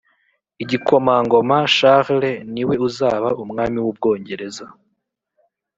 igikomangoma charles ni we uzaba umwami w’ubwongereza.